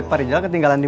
saya jemput ke itu nih